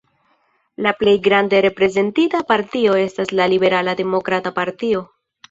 La plej grande reprezentita partio estas la Liberala Demokrata Partio.